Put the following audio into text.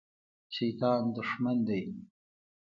شیطان دښمن دی